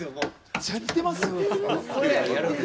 めっちゃ似てますよ。